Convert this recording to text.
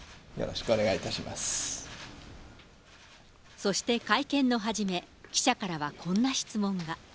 そして会見の初め、記者からはこんな質問が。